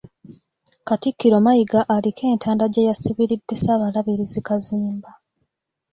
Katikkiro Mayiga aliko entanda gye yasibiridde Ssaabalabirizi Kazimba.